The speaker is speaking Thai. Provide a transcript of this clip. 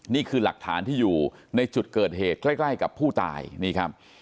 นี่คือหลักฐานที่อยู่ในจุดเกิดเหตุใกล้กับผู้ตายนี่ครับ